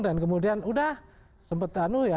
dan kemudian udah sempet tanuh ya